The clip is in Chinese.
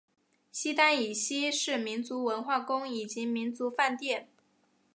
西单以西是民族文化宫以及民族饭店。